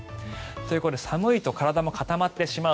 ということで寒いと体も固まってしまう。